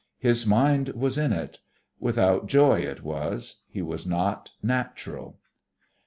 His mind was in it. Without joy it was. He was not natural.